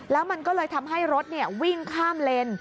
แล้วมันก็เลยทำให้รถวิ่งข้ามเลน